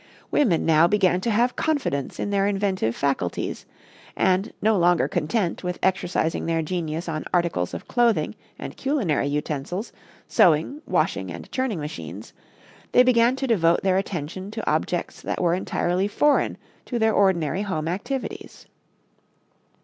Women now began to have confidence in their inventive faculties, and, no longer content with exercising their genius on articles of clothing and culinary utensils, sewing, washing and churning machines, they began to devote their attention to objects that were entirely foreign to their ordinary home activities.